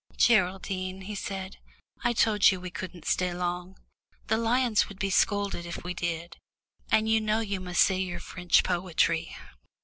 "Geraldine," he said, "I told you we couldn't stay long. The lions would be scolded if we did, and you know you must say your French poetry."